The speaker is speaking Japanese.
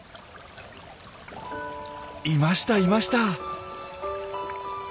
いましたいました。